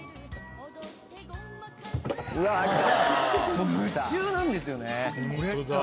もう夢中なんですよね。